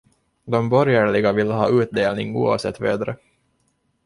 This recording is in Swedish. De borgerliga ville ha utdelning oavsett vädret.